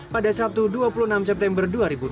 pada sabtu dua puluh enam september dua ribu dua puluh